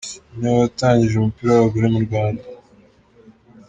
Niwe watangije umupira w’abagore mu Rwanda.